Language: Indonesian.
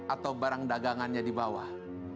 atau barang dagangannya di bawah